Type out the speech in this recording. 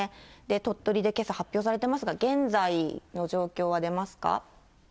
鳥取でけさ発表されてますが、現在の状況は出ますか。